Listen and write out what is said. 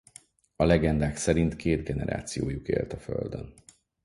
A legendák szerint két generációjuk élt a földön.